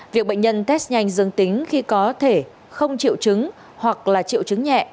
việc bệnh nhân test nhanh dương tính khi có thể không triệu chứng hoặc là triệu chứng nhẹ